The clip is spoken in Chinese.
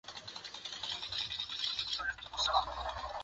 行编辑器只能从事最基本的文本输入与输出。